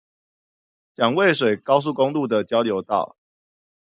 蔣渭水高速公路的交流道